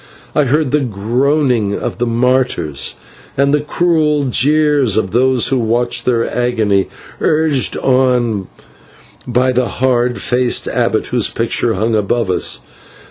I heard the groaning of the martyrs, and the cruel jeers of those who watched their agony, urged on by the hard faced abbot, whose picture hung above us.